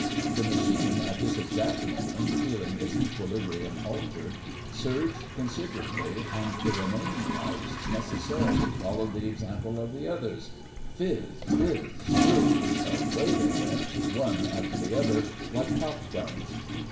The machine, at this exact moment, feeling its equilibrium altered, surged considerably, and the remaining pipes necessarily followed the example of the others : fizz — bizz — whizz, away they went, one after the other, like pop guns.